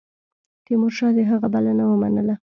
تیمورشاه د هغه بلنه ومنله.